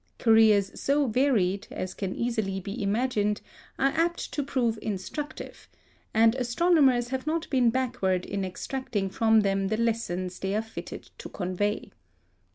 Careers so varied, as can easily be imagined, are apt to prove instructive, and astronomers have not been backward in extracting from them the lessons they are fitted to convey.